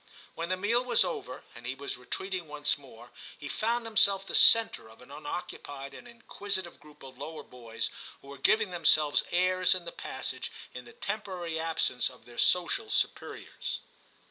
When the meal was over, and he was retreating once more, he found himself V TIM 93 the centre of an unoccupied and inquisitive group of lower boys, who were giving them selves airs in the passage, in the temporary absence of their social superiors.